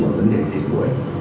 với vấn đề dịch bụi